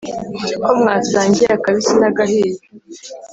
Ko mwasangiye akabisi nagahiye!